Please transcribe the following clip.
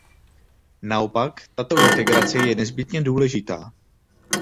Naopak, tato integrace je nezbytně důležitá.